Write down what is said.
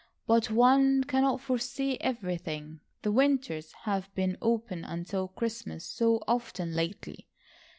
But one cannot foresee everything. The winters have been open until Christmas so often lately.